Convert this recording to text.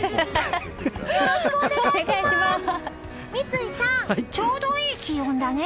三井さん、ちょうどいい気温だね。